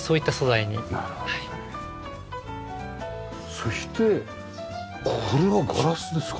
そしてこれはガラスですか？